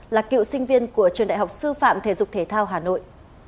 là cựu sinh viên của trường đại học sư phạm thể dục thể thao hà nội